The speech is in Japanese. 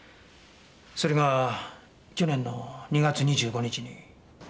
それが去年の２月２５日に。